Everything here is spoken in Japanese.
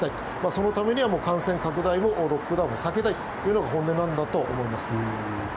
そのためには感染拡大もロックダウンも避けたいというのが本音なんだと思います。